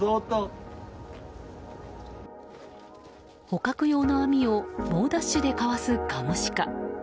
捕獲用の網を猛ダッシュでかわすカモシカ。